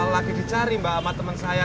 lagi dicari mbak sama teman saya